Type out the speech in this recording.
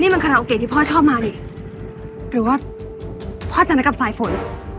นี่มันคณะโอเคที่พ่อชอบมาดิหรือว่าพ่อจะมากับสายฝน